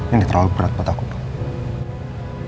ini terlalu berat buat aku